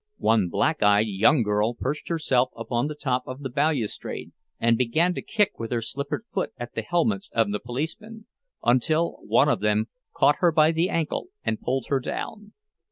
One black eyed young girl perched herself upon the top of the balustrade, and began to kick with her slippered foot at the helmets of the policemen, until one of them caught her by the ankle and pulled her down.